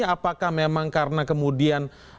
apakah memang karena kemudian